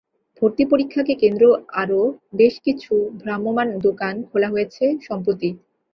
ভর্তি পরীক্ষাকে কেন্দ্র আরও বেশ কিছু ভ্রাম্যমাণ দোকান খোলা হয়েছে সম্প্রতি।